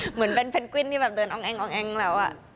เหมือนเป็นเพนกวิ้นที่เดินอองแอ้งแล้วอ่ะ